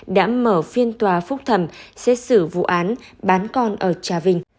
đã mở phiên tòa phúc thẩm xét xử vụ án bán con ở trà vinh